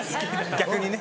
逆にね。